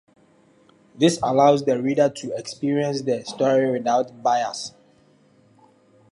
This allows the reader to experience the story without bias.